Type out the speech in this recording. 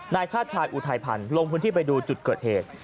นายชาติชายอุทัยพันธ์ลงพื้นที่ไปดูจุดเกิดเหตุ